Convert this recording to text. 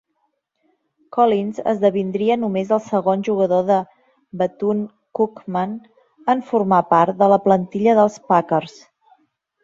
Collins esdevindria només el segon jugador de Bethune-Cookman en formar part de la plantilla dels Packers.